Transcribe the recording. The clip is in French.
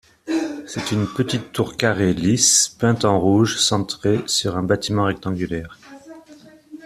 C'est une petite tour carrée lisse, peinte en rouge, centrée sur un bâtiment rectangulaire.